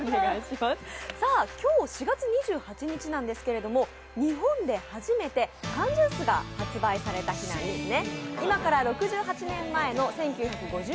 今日４月２８日なんですけれども、日本で初めて缶ジュースが発売された日なんですね。